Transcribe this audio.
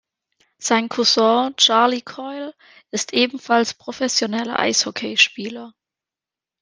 Sein Cousin Charlie Coyle ist ebenfalls professioneller Eishockeyspieler.